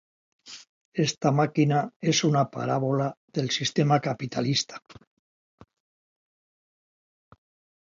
Esta máquina es una parábola del sistema capitalista.